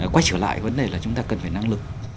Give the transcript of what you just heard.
quay trở lại vấn đề là chúng ta cần phải năng lực